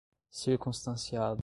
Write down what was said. circunstanciado